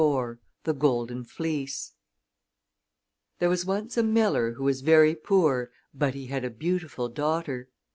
IV THE GOLDEN FLEECE There was once a miller who was very poor, but he had a beautiful daughter.